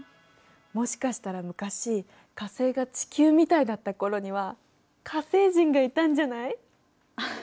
もしかしたら昔火星が地球みたいだった頃には火星人がいたんじゃない？